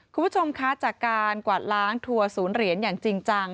คุณผู้ชมคะจากการกวาดล้างทัวร์ศูนย์เหรียญอย่างจริงจัง